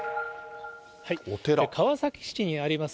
川崎市にあります